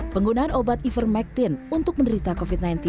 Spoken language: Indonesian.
penggunaan obat ivermectin untuk menderita covid sembilan belas